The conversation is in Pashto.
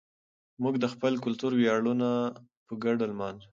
موږ د خپل کلتور ویاړونه په ګډه لمانځو.